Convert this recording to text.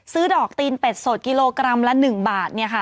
ซื้อดอกตีนเป็ดสดกิโลกรัมละ๑บาทเนี่ยค่ะ